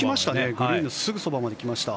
グリーンのすぐそばまで来ました。